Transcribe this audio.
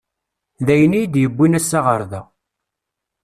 D ayen i yi-d-yewwin assa ɣer da.